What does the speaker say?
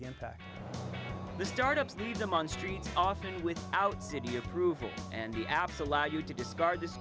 hanya beberapa hari setelah lime terbang di paris